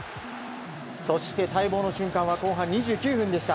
そして、待望の瞬間は後半２９分でした。